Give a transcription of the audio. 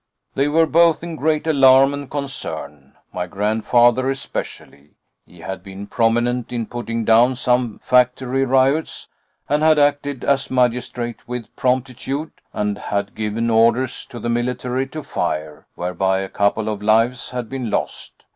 "They were both in great alarm and concern my grandfather especially. He had been prominent in putting down some factory riots, and had acted as magistrate with promptitude, and had given orders to the military to fire, whereby a couple of lives had been lost.